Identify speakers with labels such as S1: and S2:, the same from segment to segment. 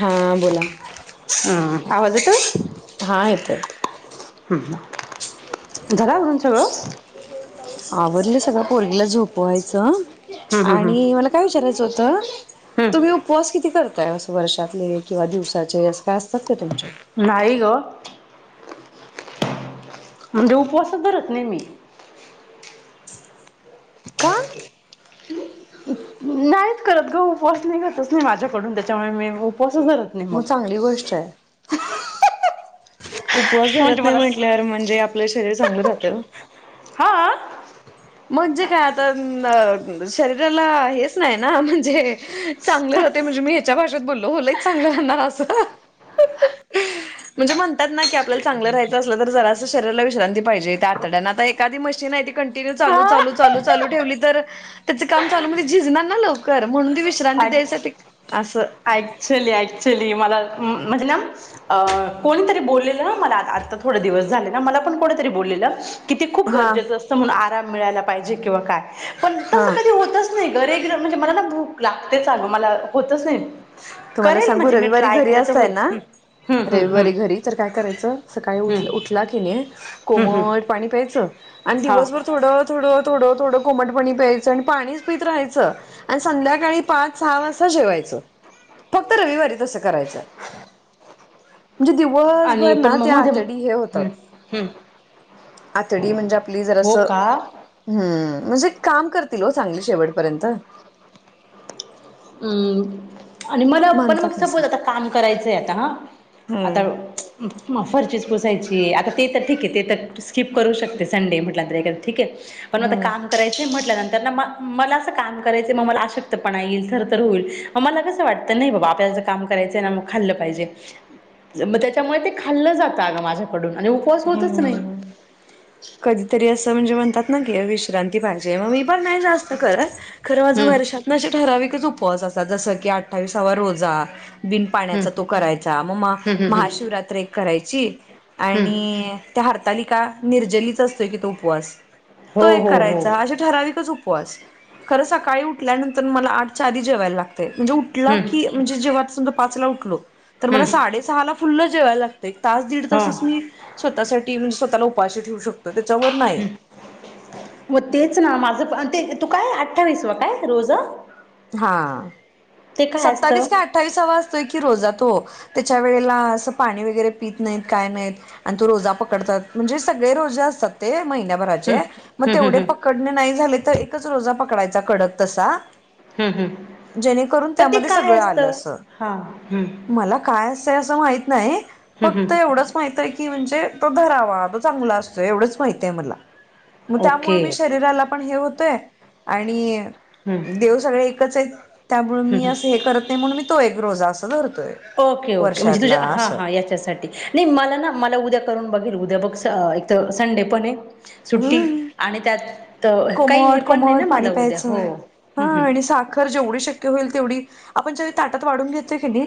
S1: हा बोला [inaudible]
S2: हम् आवाज येतोय?
S1: हा आहेेत
S2: ह झालं आवरून सगळं
S1: आवरलं सगळं पोरगीला झोपवायचं
S2: हम्म हम्म हम्म
S1: आणि मला काय विचारायचं होतं तुम्ही
S2: हम्म
S1: उपवास किती करताय वर्षातले किंवा दिवसाचे अस काय असतात ते तुमचे
S2: नाही ग म्हणजे उपवासच धरत नाही मी
S1: का
S2: नाहीत करत ग उपवास नाही घडतंच नाही माझ्याकडून त्याच्यामुळे मी उपवासच धरत नाही मग
S1: चांगली गोष्ट आहे उपवास
S2: म्हणजे
S1: धरंत नाही
S2: मला
S1: म्हटल्यावर म्हणजे आपलं शरीर चांगलं राहतंय ओ
S2: हा
S1: म्हणजे काय आता शरीराला हेच नाही ना म्हणजे चांगलं राहतंय म्हणजे मी ह्याच्या भाषेत बोललो ओ लईच चांगलं राहणार असं
S2: [unintelligible]
S1: म्हणजे म्हणतात ना की आपल्याला चांगलं राहायंचं असलं तर जरासं शरीराला विश्रांती पाहिजे त्या आतडयांना आता एखादी मशीन आहें टीव्ही चालू
S2: हा
S1: चालू चालू चालू ठेवली तर त्याचं काम चालू म्हण झिजणार ना लवकर म्हणून ती विश्रांती द्यायसाठी असं
S2: ऍक्च्युली ऍक्च्युली मला म्हणजे ना अ कोणीतरी बोललेलं मला आत्ता थोडे दिवस झाले ना मला पण कोणीतरी बोललेलं कि ते खूप
S1: हा
S2: गरजेचं असतं म्हणून आराम मिळायला पाहिजे किंवा काय पण तसं
S1: हा
S2: कधी होतच नाही ग रे म्हणजे मला ना भूक लागतेचं अगं मला होतच नाही
S1: तुम्हाला
S2: करेल
S1: सांगू
S2: म्हणजे मी
S1: रविवारी
S2: ट्राय
S1: घरी
S2: केलं तर
S1: असताय
S2: होईल
S1: ना
S2: हम्म हम्म हम्म
S1: रविवारी घरी तर काय करायचं सकाळी
S2: हम्म
S1: उठ
S2: हम्म
S1: उठला की नाही
S2: हम्म हम्म
S1: कोमट पाणी प्यायचं आणि
S2: हा
S1: दिवसभर थोडं थोडं थोडं थोडं कोमटपणी प्यायचं आणि पाणीच पीत राहायचं आणि संध्याकाळी पाच सहा वाजता जेवायचं फक्त रविवारी तसं करायचं म्हणजे
S2: आणि
S1: दिवसभर
S2: पण
S1: ना
S2: मग
S1: ते
S2: मध्ये
S1: आतडी हे
S2: हम्म
S1: होतात
S2: हम्म
S1: आतडी म्हणजे आपली
S2: हो
S1: जरासं
S2: का
S1: हम्म म्हणजे काम करतील हो चांगली शेवटपर्यंत
S2: हम्म आणि मला पण मग
S1: म्हणतात नस
S2: सपोज आता काम करायचंय आता हा
S1: हम्म
S2: आता फरशीच पुसायचीयं आता ते तर ठीक आहे ते तर स्किप करू शकते संडे म्हटलं तर एखादं ठीक आहे पण आता
S1: हम्म
S2: काम करायचं म्हटल्यानंतर ना मला असं काम करायचं मग मला अशक्त पना येईल होईल मला कस वाटत नाही बाबा आपल्याला काम करायचं ना मग खाल्लं पाहिजे मग त्याच्यामुळे ते खाल्लं जातं अगं माझ्याकडून आणि उपवास होतच नाही
S1: हम्म कधीतरी असं म्हणजे म्हणतात ना की विश्रांती पाहिजे मग मी पण नाही जास्त खरच खरं माझं
S2: हम्म
S1: वर्षातनं असे ठराविकच उपवास असतात जस की अठ्ठावीसावा रोजा बिन
S2: हम्म
S1: पाण्याचा तो करायचा मग म
S2: हम्म हम्म हम्म
S1: महाशिवरात्री एक करायची
S2: हम्म
S1: ते हरतालिका नीरजलीच असतोय की तो उपवास
S2: हो
S1: तो एक
S2: हो हो
S1: करायचा ठराविकचं उपवास खर सकाळी उठल्यानंतर मला आठच्या आधी जेवायला लागतंय म्हणजे ठला
S2: हम्म
S1: की म्हणजे जेव्हा समजा पाच ला उठलो तर मला
S2: हम्म
S1: साडे सहा ला फुल्ल जेवायला लागत एक तास दीड तासच
S2: हां
S1: मी स्वतःसाठी स्वतःला उपाशी ठेवू शकतो त्याच्यावर नाही
S2: मग तेच ना माझं प ते तू काय अठ्ठावीस वा काय रोजा
S1: हा
S2: असतं
S1: सत्तावीस का अठ्ठावीसा असतोय की रोजा तो त्याच्या वेळेला असं पाणी वगैरे पित नाहीत काय नाहीत आणि तो रोजा पकडतात म्हणजे सगळे रोजे असतात ते महिन्या भराचे म
S2: हम्म हम्म
S1: तेवढे
S2: हम्म हम्म
S1: पकडनं नाही झालं तर एकच रोजा पकडायचा कडक तसा
S2: हम् हम्
S1: जेणेकरून त्यामध्ये सगळं आलं असं
S2: हा हम्म
S1: मला काय असतय असं माहत नाही
S2: हम्म
S1: फक्त
S2: हम्म
S1: एवढंच माहितय की म्हणजे तो धरावा तो चांगला असतोय एवढंच माहितय मला मग त्यामुळे
S2: ओके
S1: मी शरीराला पण हे होतोय आणि
S2: हम्म
S1: देव सगळे आहे त्यामुळे मी
S2: हम्म
S1: असं हे करत नाही म्हणून मी तो एक रोजा असं धरतोय.
S2: ओके ओके म्हणजे
S1: वर्षातला
S2: तुझ्या हा
S1: असं
S2: हा याच्यासाठी नाही मला ना मला उद्या करून बघेल उद्या बघ एक तर संडे पणय सुट्टी
S1: हम्म
S2: आणि त्यात काही हे
S1: कोमट
S2: पण नाही ना
S1: कोमट
S2: मला उद्या हो ह्मं
S1: खर जेवढी शक्य होईल तेवढी आपण ज्यावेळी ताटात वाढून घेतोकीनाही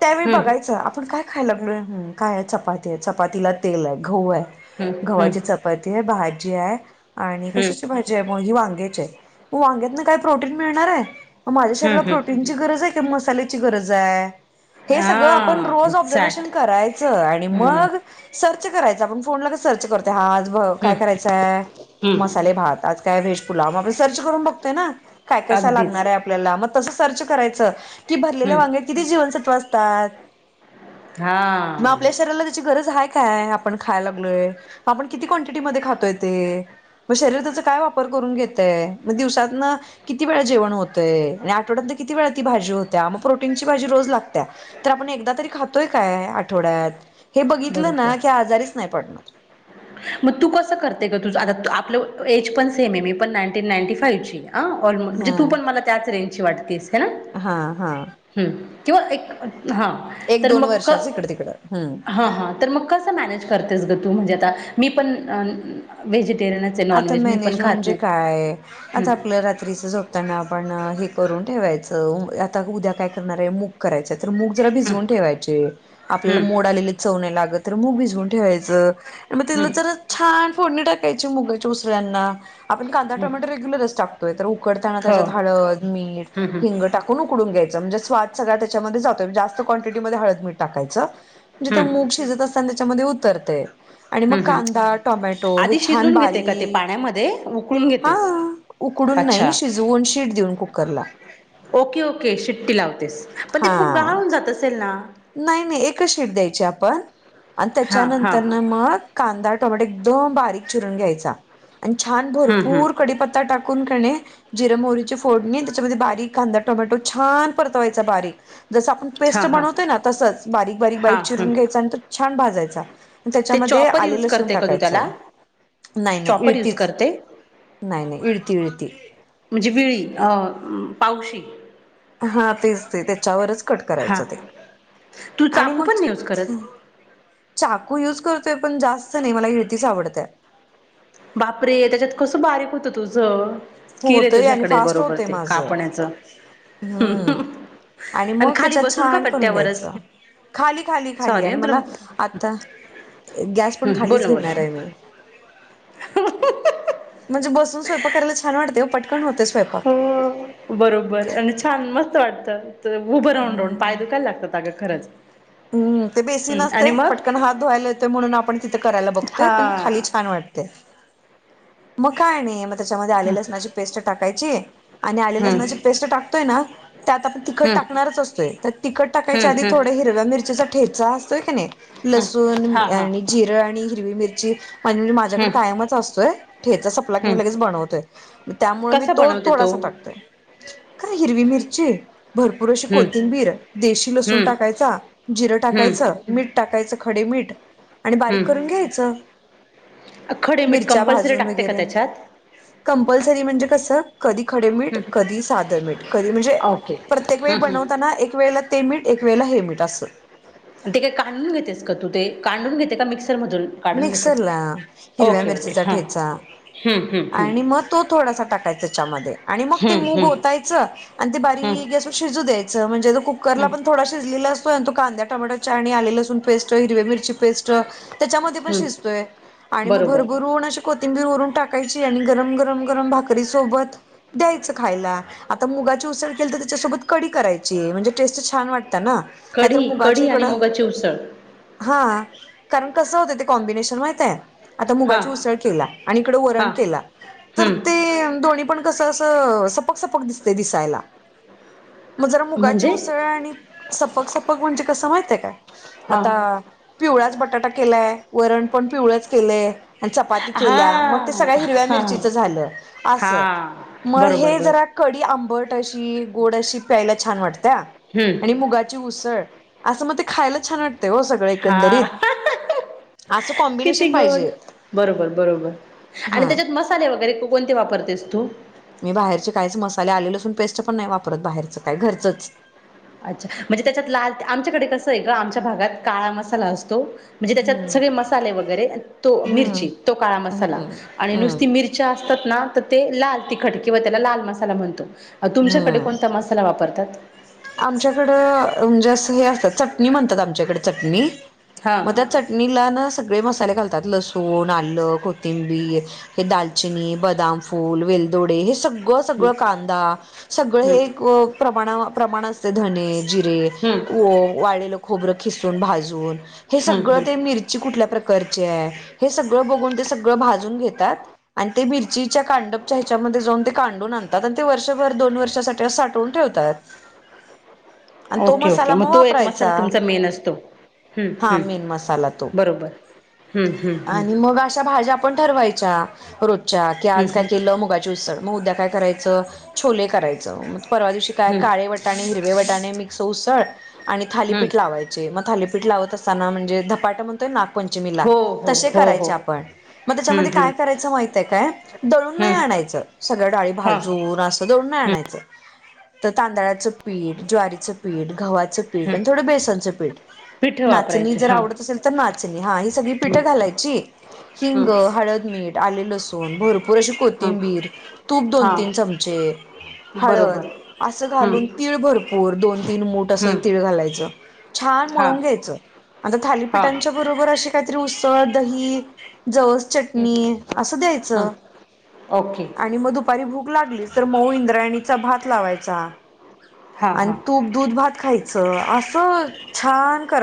S1: त्यावेळी
S2: हम्म
S1: बघायचं आपण काय खायलागलोय? काय चपाती चपातीला तेल आहे गहू आहे
S2: हम्म हम्म
S1: गव्हाची चपाती आहे. भाजीय आणि
S2: हम्म हम्म
S1: कशाची भाजी आहे मग ही वांग्याची म वांग्यातनं काय प्रोटीन मिळणारय? माझ्या
S2: हम्म
S1: शरीराला
S2: हम्म
S1: प्रोटीनची गरजय कि मसाल्याची गरजय? हे सगळं आपण
S2: हां
S1: रोज ऑब्झर्वेशन
S2: एक्झॅक्ट
S1: करायचं आणि
S2: हम्म
S1: मग सर्च करायच आपण फोनला सर्च करतोय हा आज काय
S2: हम्म
S1: करायचंय?
S2: हम्म.
S1: मसाले भात आज त्या वेश पुुला आप सर्च करून बघतय ना काय कसा
S2: अगदीच.
S1: लागणारय? आपल्याला मग तसं सर्च करायचं कि भरलेल्या
S2: हम्म
S1: वांग्या किती जीवनसत्व असतात.?
S2: हां
S1: शरीला त्याची गरज आहे काय? आपण खाय लागलोय आपण किती क्वांटिटी मध्ये खातोय ते? मग शरीरचा काय वापर करून घेतय. म दिवसातनं किती वेळा जेवण होतंय आणि आठवड्यानंतर किती वेळा ती भाजी होत्या मग प्रोटीनची भाजी रोज लागत्या तर आपण एकदा तरी खातोय काय? आठवड्यात हे बघितलं ना
S2: बरोबर.
S1: की आजारीच नाही पडणार.
S2: मग तू कसं करते ग? तुझ आता आपलं एज पण सेम आहे मी पण नाटीन नाटी फाईव्हचीय अ ऑलमो म्हणजे तू
S1: हा
S2: पण मला त्याच रेंजची वाटतेस हो ना?
S1: हा हा
S2: किंवा एक हां
S1: एक दोन वर्षाच इकडं तिकडं हम्म
S2: हां हां तर मग कसं मॅनेज करतेस ग तू? म्हणजे आता मी पण व्हेजीटेरिनचय
S1: आता मॅनेज म्हणजे काय?
S2: हम्म
S1: आता आपलं रात्रीच झो त्यांना आपण हे करून ठेवायचं आता उद्या काय करणारय मूग करायच तर मूग जला
S2: हम्म
S1: भिजवून ठेवायचे आपल्याला
S2: हम्म
S1: मोड आलेले चव नाय लागत तर मूग भिजवून ठेवायचं. मग तिला
S2: हम्म
S1: जर छान फोडणी टाकायची मुगाच्या उसळ्यांना आपण कांदा
S2: हम्म
S1: टोमॅटो रेग्युलरच टाक उकडताना
S2: हो.
S1: त्याच्यात हळद मीठ
S2: हम्म हम्म
S1: हिंग टाक कून उकडून घ्यायं म्हणजे स्वाद सगळ्या त्याच्यामध्ये जातोय जास्त क्वांटिटीमध्ये हळद मीठ टाकायचं. म्हणजे त्या
S2: हम्म
S1: मूग शिजत असताना त्याच्यामध्ये उतरतय आणि मग
S2: हम्म हम्म
S1: कांदा टोमॅटो हे
S2: आधी
S1: छान
S2: शिजून घेते का ते
S1: बारीक
S2: पाण्यामध्ये उकळून
S1: हा
S2: घेतेस?
S1: उकडून
S2: अच्छा
S1: नाही शिजवून शीट देऊन कुकरला
S2: ओके, ओके शिट्टी लावतेस. पण ते
S1: हा
S2: [unintelligible] जात असेल ना?
S1: नाही नाही एकच शीट द्यायची आपण आणि
S2: हां हां
S1: त्याच्यानंतर ना मग कांदा टोमॅट एकदम बारीक चिरून घ्यायचा आणि छान
S2: हं हं
S1: भरपूर कडीपत्ता टाक कून कने जिरम मोरीची फोडणी त्याच्यामध्ये बारीक कांदा टोमॅटो छान परतवायचा बारीक जस आपण पेस्ट
S2: हां हां
S1: बनवतोय ना तसंच बारीक बारीक बारीक
S2: हां हं
S1: चिरून घ्यायच आणि तो छान भाजायचा
S2: ते
S1: त्याच्यामध्ये
S2: चॉपर
S1: आले
S2: यूज
S1: लसण
S2: करते का तू
S1: टाकायचं
S2: त्याला
S1: नाही नाही
S2: चॉपर यूज
S1: इळतीच
S2: करते
S1: नाही नाही इळती इळती
S2: म्हणजे विळी पावशी?
S1: हा तेच ते त्याच्यावरचं कट करायच
S2: हां
S1: ते
S2: तू
S1: आणि
S2: चाकू
S1: मग?
S2: पण नाही यूज करत
S1: चाकू युज करतोय पण जास्त नाही मला हिळतीच आवडत.
S2: बापरे त्याच्यात कसं बारीक होतं तुझ
S1: होतंय आणि फास्ट होतय माझं
S2: कापण्याचं हं,
S1: हम्म
S2: हं.
S1: आणि मग
S2: खाली
S1: त्याच्या
S2: बसून का
S1: छान करून
S2: कट्ट्यावरच
S1: घ्यायचं. खाली, खाली, खाली
S2: सॉरी
S1: आणि
S2: हं तुला
S1: मला आता गॅस पण खालीच घेणार आहे मी
S2: हा हा.
S1: म्हणजे बसून स्वयं करायला छान वाटते पटन होते स्वयंपाक
S2: हो बरोबर आणि छान मस्त वाटत उभं राहून, राहून पाय दुखायला लागतात. अग खरच
S1: हम ते बेसीग असते पटकन हात धुवायला येतोय म्हणून आपण तिथं करायला बघतोय पण खाली
S2: हा
S1: छान वाटत. ते. मग काय नाही मग त्याच्यामध्ये
S2: हम्म
S1: आलेली लसणाची पेस्ट टाकायची आणि आले
S2: हम्म
S1: लसणाची पेस्ट टाकतोय ना त्यात आपण तिखट
S2: हम्म
S1: टाकणारच असतोय तर तिखट टाकायच्या
S2: हम्म
S1: आधी
S2: हम्म
S1: थोड हिरव्या मिरचीचा ठेचा असतोय की नाही
S2: हम्म
S1: लसूण
S2: हा हा
S1: आणि जिरं आणि हिरवी मिरची म्हणजेजे माझ्याकडे
S2: हम्म
S1: कायमच असतोय ठेच की मी लगेच
S2: हम्म
S1: बनवतय त्यामुळे मी
S2: कसा
S1: तो
S2: बनवते
S1: थोडासा टाकते. खर हिरवि मिरची भरपूर अशी
S2: हम्म
S1: कोथिंबीर देशी लसूण
S2: हम्म
S1: टाकायचा जिरं
S2: हम्म
S1: टाकायचं मीठ टाकायचं खडे मीठ आणि बारीक करून
S2: हम्म
S1: घ्यायच मिरच्या भाजून वग
S2: तेका त्याच्यात
S1: कंपल्सरी म्हणजे कसं कधी खडेमीठ
S2: हम्म
S1: कधी साद मीठ कधी म्हणजे
S2: ओके
S1: प्रत्येक वेळी
S2: हम्म
S1: बनवताना एक वेळेला ते मीठ एक वेळेला हे मीठ असं.
S2: ते काही कांडून घेतेस का तू ते कांढून घेते का मिक्सरमधून काढून
S1: मिक्सर
S2: घेतेस
S1: ला हिरव्या
S2: ओके ओके
S1: मिरचीचा
S2: हां
S1: ठेचा
S2: हम्म हम्म हम्म
S1: आणि मग तो थोडासा टाकायचाच्यामध्ये आणि मग ते
S2: हम्म
S1: मूग
S2: हम्म
S1: होतायचं आणि ते
S2: हम्म
S1: बारीक तो शिजू द्यायं म्हणजेो कुकरला
S2: हम्म
S1: पण थोड शिजलेला असतोय तो कांद्या टोट्याच्या आणि आले, लसून पेस्ट हिरवे मिरची पेस्ट त्याच्यामध्ये पण
S2: हम्म
S1: शिजतोय आणि म भर
S2: बरोबर
S1: भरून कोथिंबीर वरून टाकायची आणि गरम, गरम, गरम भाकरी सोबत. द्यायचं खायला आता मुगाची उसळ केली तर त्याच्यासोबत कडी करायची म्हणजे टेस्ट छान वाटते. नाहीतर
S2: कढी
S1: मुगाची
S2: कढी
S1: इकड
S2: आणि मुगाची उसळ
S1: हा. कारण कसं होते ते कॉम्बिनेशन माहित आहे? आता
S2: हा
S1: मुगाची उसळ केला आणि इकड
S2: हा
S1: वरण केला तर
S2: हम्म
S1: ते दोन्ही पण. कस असं सपक, सपक दिसत दिसायला. मग जरा मुगाची
S2: म्हणजे
S1: उसळ आणि सपक, सपक म्हणजे कसं माहितय का?
S2: हा
S1: आता पिवळाच बटाटा केलाय वरण पण पिवळाच केलंय. आणि चपाती
S2: हा
S1: केल्या मग ते सगळ्या हिरव्या
S2: हा
S1: मिरचीचं झालं
S2: हा
S1: असं मग
S2: बरोबर
S1: हे
S2: बर
S1: जरा कडी आंबट अशी गोड अशी प्यायला छान वाटत आणि
S2: हम्म
S1: मुगा उसळ असं मग ते खायला छान वाटते.
S2: हा
S1: एकंदरीत
S2: हा हा.
S1: असं
S2: हा किती
S1: कॉम्बिनेशन
S2: गोड
S1: पाहिजे
S2: बरोबर, बरोबर आणि
S1: हा
S2: त्याच्यात मस्त मसाले वगैरे कोणते वापरतेस तू.
S1: मी बाहेरचे काहीच मसाले आलेले असून पेस्ट पण नाही वापरत बाहेरचं काय घरचंच.
S2: अच्छा म्हणजे त्याच्यात लाल आमच्याकडे कसं आहे ग आमच्या भागात काळा मसाला असतो. म्हणजे त्याच्यात
S1: हम्म
S2: सगळे मसाले वगैरे तो
S1: हम्म
S2: मिरची तो काळा मसाला
S1: हम्म
S2: आणि
S1: हम्म
S2: नुसती मिरची असतात ना तर ते लाल तिखट किंवा त्याला लाल मसाला म्हणतो. तुमच्याकडे कोणता मसाला वापरतात?
S1: आमच्याकड म्हणजे असं हे असत चटणी म्हणतात आमच्याकडे चटणी
S2: हां
S1: मग त्यात चटणीला ना सगळे मसाले घालतात लसूण, आल, कोथिंबीर, हे दालचिनी बदाम फूल वेलदोडे हे सग सगळं
S2: हं
S1: सगळं कांदा सगळं
S2: हं
S1: हे प्रमाणा प्रमाण असते धणे जिरे
S2: हम्म.
S1: हो वालळेल खोबरं खिसून भाजून हे
S2: हं हं हं
S1: सगळं ते मिर जी कुठल्या प्रकारची हे सगळ बघून ते सगळ भाजून घेतात आणि ते मि चीच्या कांडपच्या ह्याच्यामध्ये जाऊन ते कांडून आणतात आणि ते वर्षभर दोन वर्षासाठी असं साठवून ठेवतात. आणि तो
S2: ओके ओके
S1: मसाला म
S2: मग तो एक मसाला
S1: वापरायचा.
S2: तुमचा मेन असतो हं
S1: हा
S2: हं
S1: मेन मसाला तो
S2: बरोबर हं हं हं
S1: आणि मग अशा भाज्या पण ठरवायच्या रोजच्या की
S2: हं
S1: आज काय
S2: हं
S1: केलं मुगाची उसळ मग उद्या काय करायचं छोले करायचं मग परवा दिवशी काय
S2: हं
S1: काळे वटाणे हिरवे वटाणे मिक्स उसळ आणि
S2: हं
S1: थालीपीठ लावायचे मग थालीपीठ लावत असताना म्हणजे धपाट म्हण ते नागपंचमीला
S2: हो हो
S1: तसे
S2: हो हो
S1: करायचे आपण. म
S2: हं
S1: त्याच्यामध्ये
S2: हं
S1: काय करायचं माहितय काय दळून नाही
S2: हं
S1: आणायचं सगळ्या डाळी
S2: हां
S1: भाजून अस दळून नाय आणायचं त तांदळाचं पीठ ज्वारीच पीठ गव्हाच ठ
S2: हं
S1: आणि थोड बेसनच पीठ
S2: पीठ
S1: नाचणी
S2: वापरायचे
S1: जर
S2: हा
S1: आवडत असेल तर नाचणी हा ही सगळी
S2: हम्म
S1: पीठं घालायची. हिंग,
S2: हम्म
S1: हळद, मीठ, आले, लसूण भरपूर अशी
S2: हम्म
S1: कोथिंबीर तूप दोन तीन
S2: हां
S1: चमचे. हळद
S2: बरोबर
S1: असं घालून
S2: हम्म
S1: तीळ भरपूर दोन तीळ मूठ असं
S2: हम्म
S1: तीळ घालायचं. छान
S2: हां
S1: मळून घ्यायचं आता
S2: हां
S1: थालीपीठांच्या बरोबर अस कायतरी उसळ दही जवस
S2: हम्म
S1: चटणी असं
S2: हम्म
S1: द्यायचं
S2: ओके
S1: आणि म दुपारी भूक लागलीच मऊ इंद्राणीचा भात लावायचा
S2: हां
S1: आणि
S2: हां
S1: तूप दूध भात खायच अस छान करा